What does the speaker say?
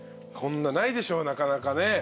こんなないでしょなかなかね。